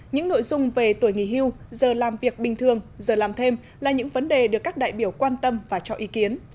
những nội dung về tuổi nghỉ hưu giờ làm việc bình thường giờ làm thêm là những vấn đề được các đại biểu quan tâm và cho ý kiến